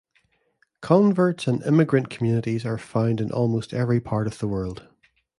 Converts and immigrant communities are found in almost every part of the world.